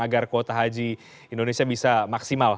agar kuota haji indonesia bisa maksimal